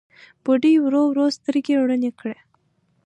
بوډۍ ورو ورو سترګې رڼې کړې.